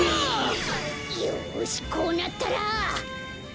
よしこうなったら。